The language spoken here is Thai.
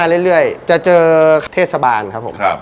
เรื่อยจะเจอเทศบาลครับผม